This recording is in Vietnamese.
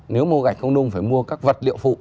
nếu mua gạch không nung phải mua các vật liệu phụ